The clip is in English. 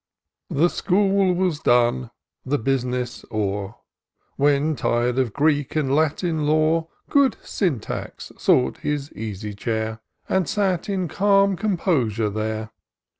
HE school was done, the bus'ness o*er, When, tir'd of Greek and Latin lore, Good Syntax sought his easy chair, And sat in calm composure there.